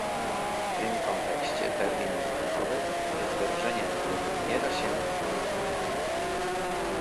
W tym kontekście termin "jądrowy" jest wyrażeniem, którego nie da się uniknąć